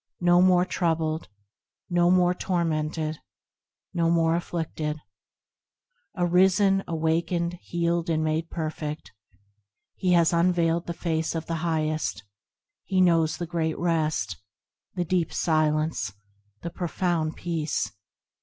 No more troubled ; No more tormented ; No more afflicted; Arisen, awakened, healed, and made perfect; He has unveiled the Face of the Highest ; He knows the Great Rest, The Deep Silence, The Profound Peace.